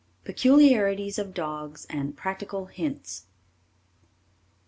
PECULIARITIES OF DOGS AND PRACTICAL HINTS.